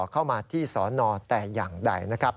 เข้ามาที่สอนอแต่อย่างใดนะครับ